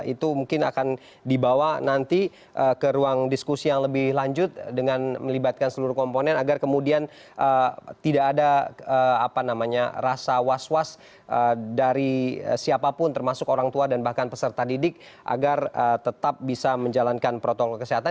itu mungkin akan dibawa nanti ke ruang diskusi yang lebih lanjut dengan melibatkan seluruh komponen agar kemudian tidak ada rasa was was dari siapapun termasuk orang tua dan bahkan peserta didik agar tetap bisa menjalankan protokol kesehatan